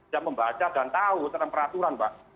yang membaca dan tahu tentang peraturan mbak